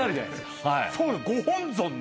ご本尊の。